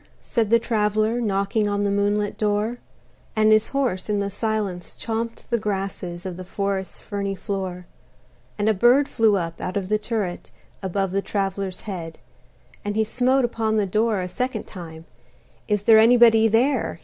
said the Traveler, Knocking on the moonlit door; And his horse in the silence chomped the grasses Of the forest's ferny floor. And a bird flew up out of the turret, Above the traveler's head: And he smote upon the door a second time; "Is there anybody there?"